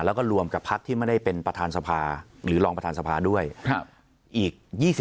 แล้วก็รวมกับพักที่ไม่ได้เป็นประธานสภาหรือรองประธานสภาด้วยอีก